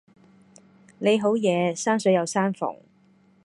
你好嘢，山水有山逢